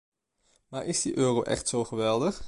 Maar is die euro echt zo geweldig?